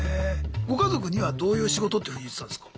ご家族にはどういう仕事っていうふうに言ってたんすか？